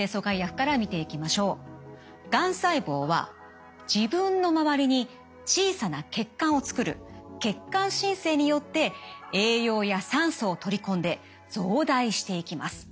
がん細胞は自分の周りに小さな血管を作る血管新生によって栄養や酸素を取り込んで増大していきます。